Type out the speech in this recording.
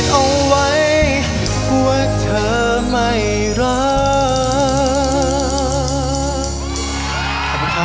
ยังเพราะความสำคัญ